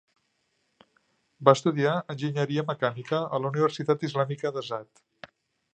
Va estudiar enginyeria mecànica a la Universitat Islàmica d'Azad.